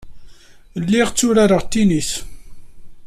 Lliɣ tturareɣ tennis.